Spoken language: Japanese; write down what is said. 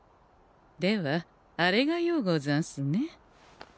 ではあれがようござんすね。